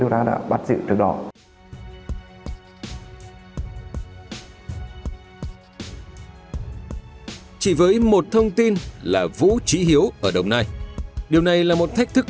điều tra đã bắt giữ từ đó chỉ với một thông tin là vũ trí hiếu ở đông nái điều này là một thách thức